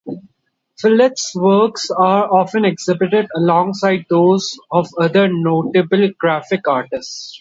Phillips' works are often exhibited alongside those of other notable graphic artists.